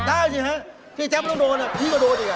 ได้สิฮะพี่แจ๊บต้องโดนพี่ก็โดนอีก